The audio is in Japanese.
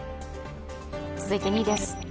続いて２位です。